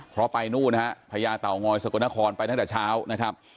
เพราะไปนู่นนะฮะพญาเต่างอยสกลนครไปตั้งแต่เช้านะครับ